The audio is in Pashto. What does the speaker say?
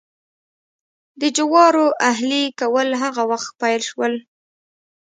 د جوارو اهلي کول هغه وخت پیل شول.